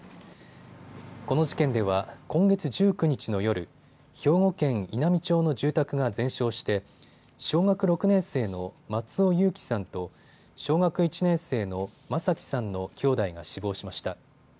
この事件では今月１９日の夜、兵庫県稲美町の住宅が全焼して小学６年生の松尾侑城さんと小学１年生の眞輝さんの兄弟が死亡しました。